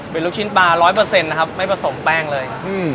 เป็นลูกชิ้นปลา๑๐๐นะครับไม่ผสมแป้งเลย